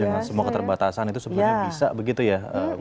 dengan semua keterbatasan itu sebenarnya bisa begitu ya